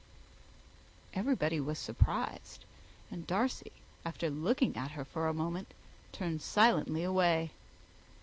Everybody was surprised; and Darcy, after looking at her for a moment, turned silently away.